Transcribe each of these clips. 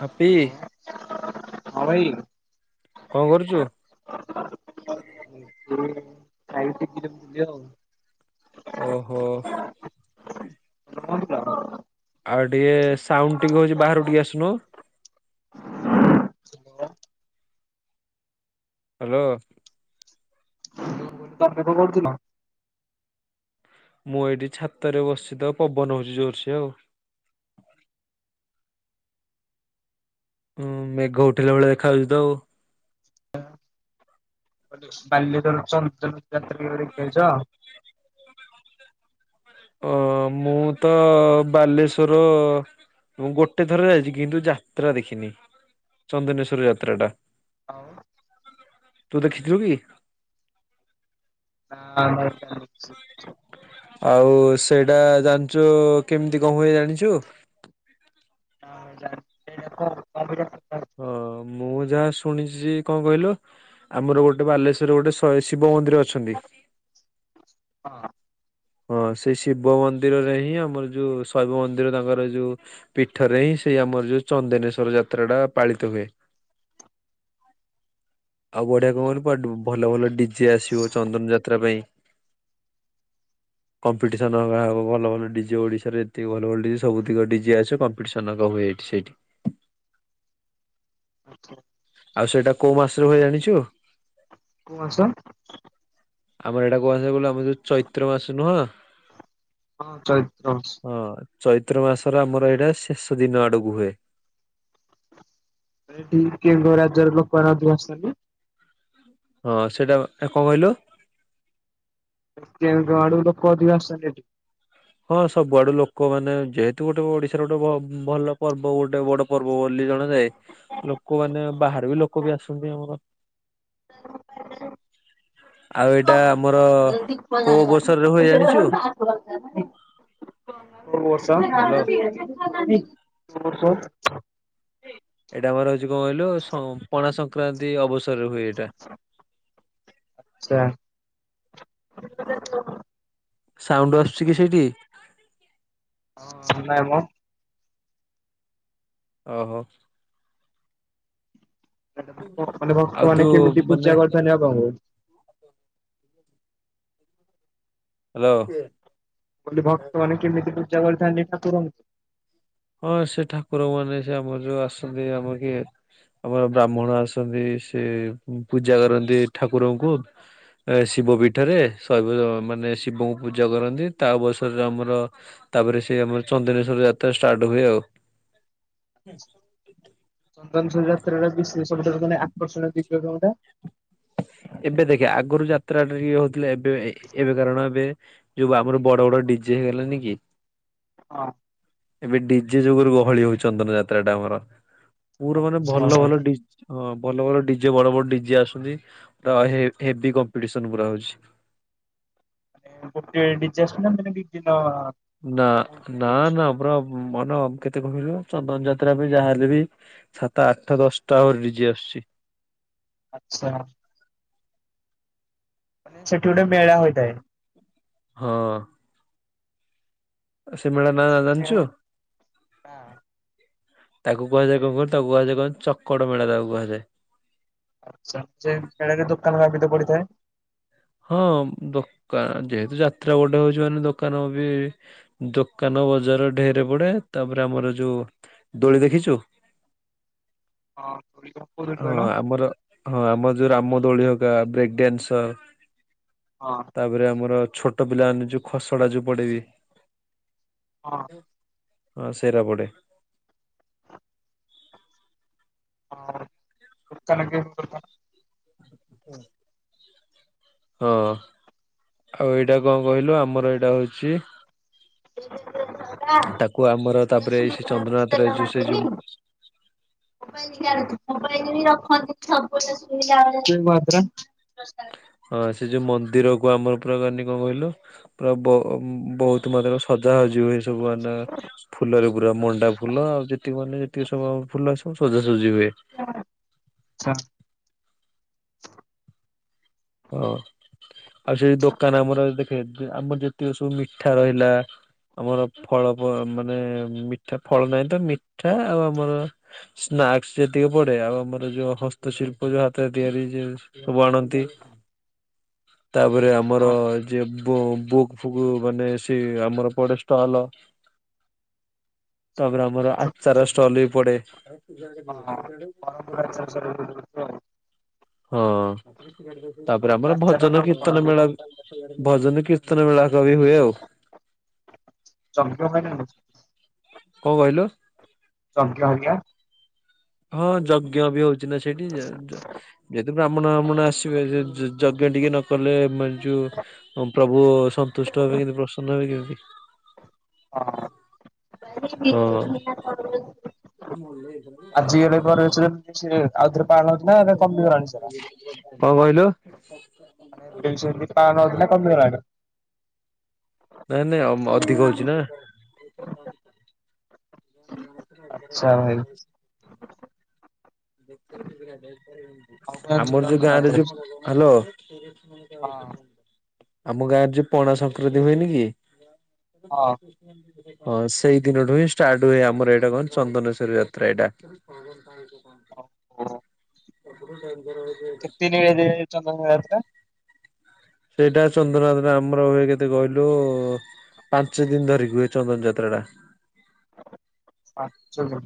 Happy ହଁ ଭାଈ। କଣ କରୁଚୁ? ଖାଇକିିକ ଯିବ ଯି ଆଉ। ଓହୋ। [unintelligible] ଆଉ ଟିକେ ସାଉଣ୍ଡ ଟିକେ ହଉଛି ବାହାରୁ ଟିକେ ଆସୁନୁ। ହ୍ୟାଲୋ। ତମେ କଣ କରୁଥିଲ? ମୁଁ ଏଇଠି ଛାତରେ ବସି ତ ପବନ ହଉଛି ଜୋରସେ ଆଉ। ଉଁ ମେଘ ଉଠିଲା ଭଳିଆ ଦେଖା ଯାଉଚି ତ ଆଉ। ବାଲେଶ୍ୱର ଚନ୍ଦନ ଯାତ୍ରା କେବେ ଦେଖି ଆଇଚ? ଅ ମୁଁ ତ ବାଲେଶ୍ଵର। ମୁଁ ଗୋଟେ ଥର ଯାଇଚି କିନ୍ତୁ ଯାତ୍ରା ଦେଖିନି ଚନ୍ଦନେଶ୍ଵର ଯାତ୍ରା ଟା। ହଉ। ତୁ ଦେଖିଥିଲୁ କି? ନାଁ [unintelligible] ଆଉ ସେଇଟା ଜାଣଚୁ କେମିତି କଣ ହୁଏ ଜାଣିଚୁ? ହଁ [unintelligible] ହଁ ମୁଁ ଯାହା ଶୁଣିଚି କଣ କହିଲୁ? ଆମର ଗୋଟେ ବାଲେଶ୍ଵରରେ ଗୋଟେ ସଇ ଶିବ ମନ୍ଦିର ଅଛନ୍ତି। ହଁ। ହଁ ସେଇ ଶିବ ମନ୍ଦିରରେ ହିଁ ଆମର ଯୋଉ ଶୈବ ମନ୍ଦିର ତାଙ୍କର ଯୋଉ ପୀଠରେ ହିଁ ସେଇ ଆମର ଯୋଉ ଚନ୍ଦେନେଶ୍ୱର ଯାତ୍ରା ଟା ପାଳିତ ହୁଏ। ଆଉ ବଢିଆ କଣ କହିଲୁ ଭଲ ଭଲ ଡିଜେ ଆସିବ ଚନ୍ଦନ ଯାତ୍ରା ପାଇଁ। କମ୍ପିଟିସନ୍ ହୋ ହେବ ଭଲ ଭଲ ଡିଜେ ଓଡ଼ିଶାରେ ଯେତିକି ଭଲ ଭଲ ଡିଜେ ସବୁତି କଡିଜେ ଆସିବ କମ୍ପିଟିସନ୍ ଲଗାହୁଏ ଏଇଠି ସେଇଠି। ଆଚ୍ଛା। ଆଉ ସେଇଟା କୋଉ ମାସରେ ହୁଏ ଜାଣିଚୁ? କଉ ମାସ? ଆମର ଏଇଟା କୁହାଯାଏ ନା ଆମେ ଯୋଉ ଚୈତ୍ର ମାସ ନୁହଁ ହଁ ଚୈତ୍ର ମାସ ହଁ ଚୈତ୍ର ମାସର ଆମର ଏଇଟା ଶେଷ ଦିନ ଆଡକୁ ହୁଏ। ଏଠି କେଉଁ କେଉଁ ରାଜ୍ୟର ଲୋକମାନେ ଏଠିକି ଆସିନ୍ତି? ହଁ ସେଇଟା କଣ କହିଲୁ? କେଉଁ କେଉଁ ଆଡୁ ଲୋକ ଅଧିକ ଆସିଛନ୍ତି ଏଠି? ହଁ ସବୁଆଡୁ ଲୋକମାନେ ଯେହେତୁ ଗୋଟେ ଓଡିଶାର ଗୋଟେ ଭ ଭଲ ପର୍ବ ଗୋଟେ ବଡ ପର୍ବ ବୋଲି ଜଣାଯାଏ ଲୋକମାନେ ବାହାରୁ ବି ଲୋକ ବି ଆସନ୍ତି ଆମର। ହ [unintelligible] ଆଉ ଏଇଟା ଆମର ଆ କୋଉ ଅବସରରେ ହୁଏ ଜାଣିଛୁ [unintelligible] [inaudible] ହ୍ୟାଲୋ ସେ ବର୍ଷ ଏଇଟା ଆମର ହଉଛି କଣ କହିଲୁ ସ ପଣା ସଂକ୍ରାନ୍ତି ଅବସର ଆଚ୍ଛା। ସାଉଣ୍ଡ ଆସୁଛି କି ସେଇଠି? ନାଇଁ ମ ଓହୋ ମାନେ ଆଉ ଭକ୍ତ ତୁ ମାନେ କେମିତି ମାନେ ପୂଜା କରିଥାନ୍ତି ଆପଣଙ୍କୁ ଠିକ୍ ଅଛି ହ୍ୟାଲୋ କହିଲି ଭକ୍ତ ମାନ କେମିତି ପୂଜା କରିଥାନ୍ତି ଠାକୁରଙ୍କୁ? ହଁ ସେ ଠାକୁର ମାନେ ସେ ଆମର ଯୋଉ ଆସିଛନ୍ତି ଆମର କିଏ? ଆମର ବ୍ରାହ୍ମଣ ଆସନ୍ତି ସେ ପୂଜା କରନ୍ତି ଠାକୁରଙ୍କୁ। ଶିବ ପୀଠରେ ଶୈବ ମାନେ ଶିବଙ୍କୁ ପୂଜା କରନ୍ତି ତା ଅବସରରେ ଆମର ତାପରେ ସେ ଆମର ଚନ୍ଦନେଶ୍ଵର ଯାତ୍ରା ଷ୍ଟାର୍ଟ ହୁଏ ଆଉ। ହୁଁ ଚନ୍ଦନେଶ୍ଵର ଯାତ୍ରାରେ ବିଶେଷ ସବୁଠାରୁ ମାନେ ଆକର୍ଷଣ ଦିବ୍ୟ କୋଉଟା? ଏବେ ଦେଖେ ଆଗରୁ ଯାତ୍ରା ଟିକିଏ ହଉଥିଲେ ଏବେ ଏବେ କାରଣ ଏବେ ଯୋଉ ଆମର ବଡ ବଡ ଡିଜେ ହେଇଗଲାନି କି ହଁ ଏବେ ଡିଜେ ଯୁଗୁରୁ ଗହଳି ହଉଚି ଚନ୍ଦନ ଯାତ୍ରା ଟା ଆମର ପୁରା ମାନେ ଭଲଭଲ ଡିଜେ ହଁ ଭଲ ଭଲ ଡିଜେ ବଡସବଡ ଡିଜେ ଆସୁଛନ୍ତି ତ ହେବି କମ୍ପିଟିସନ ପୁରା ହଉଛି। ଗୋଟିଏ ଡିଜେ ଆସୁଚି ନା ମାନେ ଦି ତିନିଟା? ନା ନା ନା ପର ମନ କେତେ କଣ କହିଲୁ ଚନ୍ଦନ ଯାତ୍ରା ବି ଯାହାହେଲେ ବି ସାତ ଆଠଟା ଦଶଟା ଆହୁରି ଡିଜି ଆସୁଛି। ଆଚ୍ଛା ମାନେ ସେଠି ଗୋଟେ ମେଳା ହୋଇଥାଏ। ହଁ ସେଇ ମେଳା ନା ମେଳାରେ କେଉଁ ଜାଣିଛୁ? ନା ତାକୁ କୁହାଯାଏ କଣ କଣ ତାକୁ କୁହାଯାଏ କଣ ଚକଡ ମେଳା ତାକୁ କୁହାଯାଏ। ଆଚ୍ଛା ସେ [unintelligible] ଦୋକାନ [unintelligible] ପଡିଥାଏ ହଁ ଦୋକାନ ଯେହେତୁ ଯାତ୍ରା ଗୋଟେ ହଉଛି ମାନେ ଦୋକାନ ବି ଦୋକାନ ବଜାର ଢେର ପଡେ ତାପରେ ଆମର ଯୋଉ ଦୋଳି ଦେଖିଛୁ? ହଁ କୋଉଠି ହଁ କହିଲ ଆମର ହଁ ଆମର ଯୋଉ ରାମ ଦୋଳି ହକା ବ୍ରେକ୍ଡଡ଼ାନ୍ସ ହଁ ତାପରେ ଆମର ଛୋଟ ପିଲାମାନେ ଯୋଉ ଖସଡା ଯୋଉ ପଡେଇବି ହଁ ହଁ ସେରା ପଡେ। ହଁ [unintelligible] ହୁଁ ହଁ ଆଉ ଏଇଟା କଣ କହିଲୁ ଆମର ଏଇଟା ହଉଛି ତାକୁ ଆମର ତାପରେ ଏଇ ସେ ଚନ୍ଦ୍ରନାଥରେ ବଲା ଯୋଉ ସେ ମାାତ ଯୋଉ [inaudible] ଦ ହଁ ସେ ଯୋଉ ମନ୍ଦିର କୁ ଆମର ପୁରା କାନି କଣ କହିଲ ପୁରା ବ ବହୁତ ମାତ୍ରାରେ ସଜା [unintelligible] ଏ ସବୁ ମାନେ ଫୁଲରେ ପୁରା ମଣ୍ଡା ଫୁଲ ଆଉ ଯେତିକି ମାନେ ଯେତିକି ସବୁ ଫୁଲ ସବୁ ସଜାସଜି ହୁଏ। ଆଛା ହଁ ଆଉ ସେ ଦୋକାନ ଆମର ଦେଖେ ଆମର ଯେତିକି ସବୁ ମିଠା ରହିଲା ଆମର ଫଳ ମାନେ ମିଠା ଫଳ ନାହିଁ ତ ମିଠା ଆଉ ଆମର ସ୍ନାକ୍ସ ଯେତିକି ପଡେ ଆଉ ଆମର ଯୋଉ ହସ୍ତଶିଳ୍ପ ଯୋଉ ହାତରେ ତିଆରି ଯେ ସବୁ ଆଣନ୍ତି। ତାପରେ ଆମର ଯିଏ ବୁକ୍ ଫୁକ୍ ମାନେ ସେ ଆମର ପଡ଼େ ଷ୍ଟଲ ତାପରେ ଆମର ଆଚାର ଷ୍ଟଲ ବି ପଡେ। [inaudible] ହଁ ହଁ ତାପରେ ଆମର ଭଜନ କୀର୍ତ୍ତନ ମେଳ ଭଜନ କୀର୍ତ୍ତନ ମେଳା ହେକା ବି ହୁଏ ଆଉ। ଚ [unintelligible] କଣ କହିଲୁ? ଚ [unintelligible] ହଁ ଯଜ୍ଞ ବି ହଉଛି ନା ସେଇଠି। ଯଦି ବ୍ରାହ୍ମଣ ବାହ୍ମଣ ଆସିବେ ଯଜ୍ଞ ଟିକେ ନକଲେ ମାନେ ଯୋଉ ପ୍ରଭୁ ସନ୍ତୁଷ୍ଟ ହେବେ କେମିତି ପ୍ରସନ୍ନ ହେବେ କେମିତି? ହଁ ହଁ ଆଜି [unintelligible] ଆଉଥରେ [unintelligible] ନା କମି ଗଲାଣି ସେରା? କଣ [unintelligible] କହିଲୁ? [unintelligible] ହଉଥିଲା କମି ଗଲାଣି। ନାଇଁ ନାଇଁ ଅଧିକ ହଉଛି ନା। ମ ଆମର ଆଚ୍ଛା ଭାଇ। ଆଉ କଣ ଯୋଉ ଜାଣିଛନ୍ତି ଗାଁରେ ରଥଯାତ୍ରା ଯୋଉ ବିଷୟରେ? ହ୍ୟାଲୋ ହଁ ଆମ ଗାଁରେ ଯୋଉ ପଣା ସଂକ୍ରାନ୍ତି ହୁଏନି କି ହଁ ହଁ ସେଇ ଦିନଠୁ ହିଁ ଷ୍ଟାର୍ଟ ହୁଏ ଆମର ଏଇଟା କଣ ଚନ୍ଦନେଶ୍ଵର ଯାତ୍ରା ଏଇଟା କଣ କଣ [inaudible] ଓ ହୋ ଅପର [inaudible] କେତେ [unintelligible] ଚନ୍ଦନ ଯାତ୍ରା ସେଇଟା ଚନ୍ଦନ ଯାତ୍ରା ଆମର ହୁଏ କେତେ କହିଲୁ? ପାଞ୍ଚ ଦିନ ଧରି ହୁଏ ଚନ୍ଦନ ଯାତ୍ରା ଟା। ପାଞ୍ଚ ଦିନ।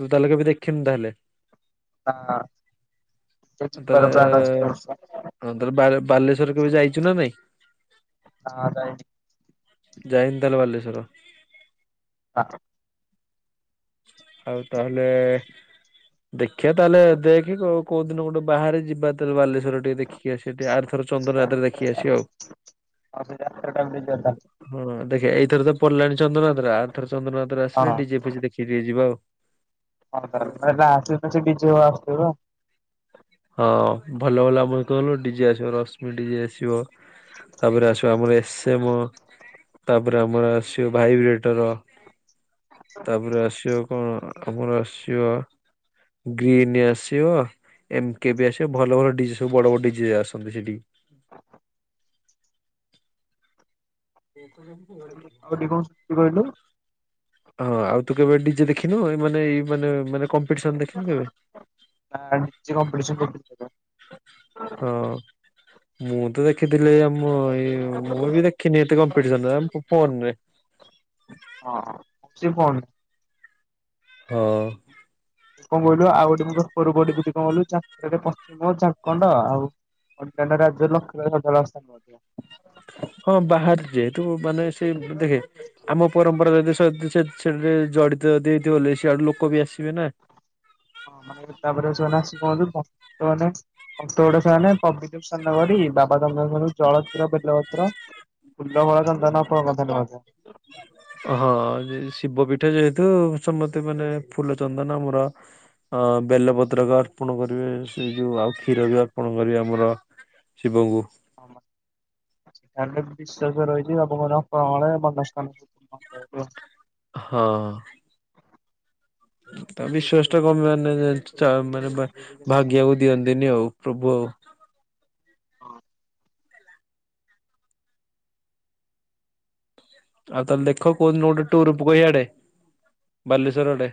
ତୁ ତାହେଲେ କେବେ ଦେଖିନୁ ତାହେଲେ? ନା ତ ଯିବାର ପ୍ଲାନ ଅଛି ଏ ତାହେଲେ ବର୍ଷ। ବାଲେଶ୍ୱର କେବେ ଯାଇଛୁ ନା ନାଇଁ? ହଁ ଯାଇ ଯାଇନୁ ତାହେଲେ ବାଲେଶ୍ୱର? [unintelligible] ଆଉ ତାହେଲେ ଦେଖିଆ ତାହେଲେ ଦେଖେ କଉ କୋଉ ଦିନ ଗୋଟେ ବାହାରେ ଯିବା ତାଲେ ବାଲେଶ୍ଵର ଟିକେ ଦେଖିକି ଆସିବା ଟିକେ ଆର ଥର ଚନ୍ଦନ ଯାତ୍ର ଦେଖିକି ଆସିବା ଆଉ। ଆଉ ସେ ଯାତ୍ରା ଟାଇମ୍ ରେ ଯିବା ତାଲ୍ ହଁ ଦେଖେ ଏଇଥର ତ ପଲାଣି ଚନ୍ଦ୍ରନଆତ୍ରା ଆଉଥର ଚନ୍ଦ୍ରନଆତ୍ରା ଆସିଲେ ହଁ। ଡି ଜେ ଫିଜି ଦେଖି ଟିକେ ଯିବା ଆଉ। ହଁ ତାଲେ ତାହେଲେ ଆସିଲେ ସେ ବିଜୟ ଆସଥିବ। ଅ ଭଲ ଭଲ ଆମୁ କହୁନୁ ଡି ଜେ ଆସିବ ରଶ୍ମି ଡି ଜେ ଆସିବ। ତାପରେ ଆସିବା ଆମର ଏସେମୋ ତାପରେ ଆମର ଆସିବ ଭାଇ ବିଏଟର ତାପରେ ଆସିବ କଁ ଆମର ଆସିବ ଗ୍ରୀନ୍ ଆସିବ। ଏମ୍ କେ ବି ଆସିଅ ଭଲ ଭଲ ଡି ଜେ ସବୁ ବଡ଼ ବଡ଼ ଡି ଜେ ଆସନ୍ତି ସେଇଠିକି। ଏଥୁ ଯେମିତି ଘଡ଼ି ଡି ଜେ। ଆଉ ଟିକେ କଣ ସେମିତି କହିଲୁ ଅ ଆଉ ତୁ କେବେ ଡି ଜେ ଦେଖିନୁ ଏଇ ମନେ ଏଇ ମାନେ ମାନେ କମ୍ପିଟିସନ୍ ଦେଖିନୁ କେବେ? ଆଁ ନିଜେ କମ୍ପିଟଟିନ୍ କଦି ହଁ ମୁଁ ତ ଦେଖିଥିଲି ଆମ ଏ ମୁଁ ବି ଦେ ଖିନି ଏତେ କମ୍ପିଟିସନ୍ ଆ ଫୋନ୍ ରେ। ଅହୋ ସାଏ କନ୍ ହ। କଁ କହିଲୁ ଆଉ ଗୋଟେ ମୁଁ ପେପର୍ ରୁ ପଢ଼ିଥିଲି କଁ କହିଲୁ ଚାରଟାରେ ପଶ୍ଚିମ ଚାରକଣ୍ଡ ଆଉ ଅଣ୍ଟେଲେ ରାଜ୍ୟ ଲକ୍ଷ୍ମୀ ବାଇ ସଜଡ଼ା ସରନଥିବ। ହଁ ବାହାର ଯେହେତୁ ମାନେ ସେ ଦେଖେ ଆମ ପରମ୍ପରା ଯଦି ସଦି ସେ ସେରେ ଜଡ଼ିତ ଯଦି ହେଇଥିବ ଲି ସିଆଡ଼ୁ ଲୋକ ବି ଆସିବେ ନା। ହଁ ମାନେ ତାପରେ ସେମାନେ ଆସି କୁହନ୍ତି ଭକ୍ତମାନେ ଅଣ୍ଟଉଡ଼ା ସେମାନେ ପବିତ୍ର ସାନ କରି ବାବା ଚନ୍ଦ୍ରଧନୁ ଜଳ କ୍ଷୀର ବେଲପତ୍ର ଫୁଲ ଫଳ ଚନ୍ଦନ ପ୍ର ପ୍ରଦାନ କରନ୍ତି। ହଁ ଯେ ଶିବ ପିଠା ଯେହେତୁ ସମତେ ମାନେ ଫୁଲ ଚନ୍ଦନ ମୋର ଅ ବେଲପତ୍ରକ ଅର୍ପଣ କରିବେ ସେଇ ଯୋଉ ଆଉ କ୍ଷୀର ବି ଅର୍ପଣ କରିବେ ଆମର। ଶିବଙ୍କୁ। ହଁ ମା ତାହେଲେ ବିଶ୍ୱାସ ରହିଛି ଅମଙ୍ଗଳ କଳେ ମନସ୍କାମ ହଁ। ତ ବିଶ୍ଵାସଟା କମ୍ ମାନେ ଚା ମାନେ ଭା ଭାଗିବାକୁ ଦିଅନ୍ତିନି ଆଉ ପ୍ରଭୁ ଆଉ। ହଁ। ଆଉ ତାହେଲେ ଦେଖ କୋଉ ଦିନ ଗୋଟେ ଟୁୁର ପକୁଅ ଇଆଡ଼େ ବାଲେଶ୍ୱର ଆଡ଼େ।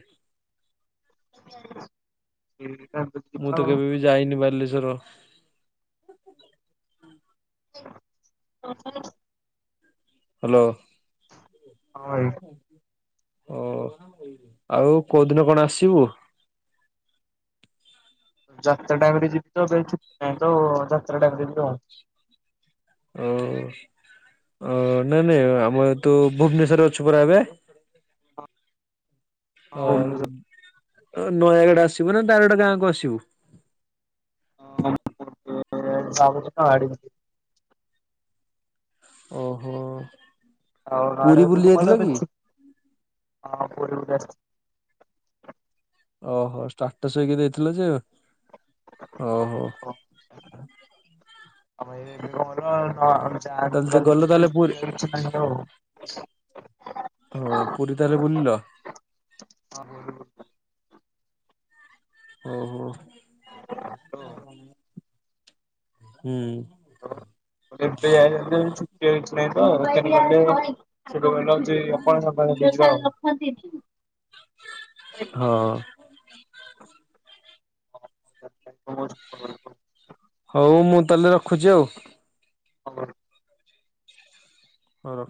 ଯିମି ପା ମୁଁ ଦେଖିବା ତ ଆଉ। କେବେ ବି ଯାଇନି ବାଲେଶୋର। [inaudible] ହାଲୋ। ହଁ ଭାଇ [inaudible] ଓ ଆଉ କୋଉ ଦିନ କଣ ଆସିବୁ? ଯାତ୍ରା ଟାଇମ୍ ରେ ଯିବି ତ ବାଇ ଛୁଟି ନାହିଁ ତ ଯାତ୍ରା ଟାଇମ୍ ରେ ଯିବା ଆଉ। ଓ ଓ ନାଇଁ ନାଇଁ ଆମର ଏ ତୁ ଭୁବନେଶ୍ଵରରେ ଅଛୁ ପରା ଏବେ? ହଁ ଆଉ। ଅ ନୟାଗଡ଼ ଆସିବୁ ନାଁ ଡାଇରେକ୍ଟ୍ ଗାଁକୁ ଆସିବୁ? ହଁ ଏ ଚାଉଦିନ ଆଡ଼ିମିଟି। ଓହୋ। ଆଉ ପୁରୀ ନୟାଗଡ଼ ଯଦି ବୁଲି ମୁଁ ଯାଇଥିଲ ଗଲେ ଏବେ କି? ଛୁ ହଁ ପୁରୀ ବୁଲି ଆସିବା। ଓହୋ ଷ୍ଟାଟସ୍ ହେଇକି ଦେଇଥିଲେ ଯେ ଓହୋ। ଆମେ ଏବେ କଁ ହେଲା ହଁ ଆମେ ଆଉ ଗାଁ ତାହେଲେ ଭିତରୁ ଗଲ ତାହେଲେ [unintelligible] ପୁରୀ କେ କିଛି ନାହିଁ ଆଉ। ହଁ ପୁରୀ ତାହେଲେ ବୁଲିଲ? ହଁ ଭୋରୁ ଭୋରୁ। ଓହୋ। [inaudible] ଟୋ ହୁଁ। [unintelligible] [unintelligible] ରଖନ୍ତିନି। ହଁ। [unintelligible] ହଉ ମୁଁ ତାହେଲେ ରଖୁଚି ଆଉ। [unintelligible] ହଁ